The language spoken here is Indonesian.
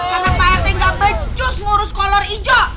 kalau pak rete nggak pecus ngurus kolor ijo